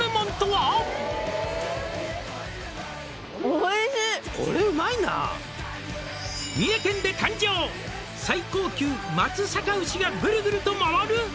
おいしい「三重県で誕生」「最高級松阪牛がぐるぐると回る」